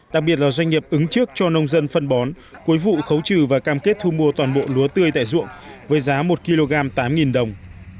đặc biệt là doanh nghiệp ứng trước cho nông dân phân bón cuối vụ khấu trừ và cam kết thu mua toàn bộ lúa tươi tại ruộng với giá một kg tám đồng